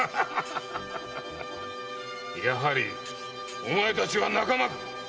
やはりお前たちは仲間か。